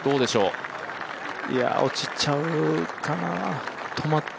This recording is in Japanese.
落ちちゃうかな止まった。